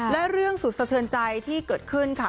และเรื่องสุดสะเทือนใจที่เกิดขึ้นค่ะ